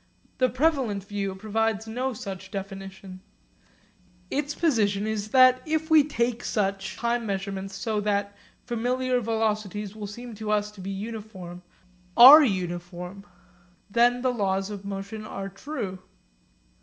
The prevalent view provides no such definition. Its position is that if we take such time measurements so that certain familiar velocities which seem to us to be uniform are uniform, then the laws of motion are true.